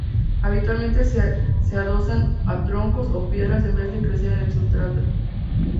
Habitualmente se adosan a troncos o piedras en vez de crecer en el sustrato.